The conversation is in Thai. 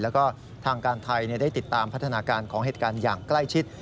แล้วก็ทางการไทยได้ติดตามพัฒนาการของเหตุการณ์อย่างใกล้ชิด